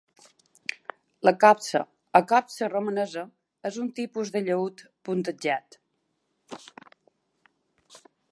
La kobza o cobza romanesa és un tipus de llaüt puntejat.